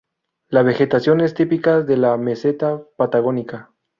La vegetación es típica de la meseta patagónica.